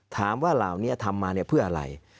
ถามว่าราวนี้ทำมาเนี่ยเพื่ออะไร